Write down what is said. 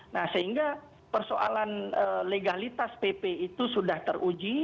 nah sehingga persoalan legalitas pp itu sudah teruji